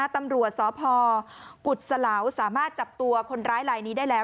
ตำรวจสพกุศลาวสามารถจับตัวคนร้ายลายนี้ได้แล้ว